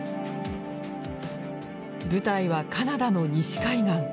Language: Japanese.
舞台はカナダの西海岸。